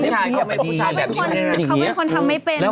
เขาเป็นคนทำไม่เป็นแบบนี้